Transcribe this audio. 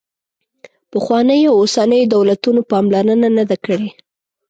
پخوانیو او اوسنیو دولتونو پاملرنه نه ده کړې.